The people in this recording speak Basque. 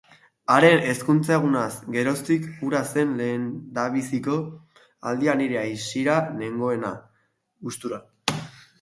Haren ezkontzaegunaz geroztik, hura zen lehenbiziko aldia nire aisiara nengoena, gustura.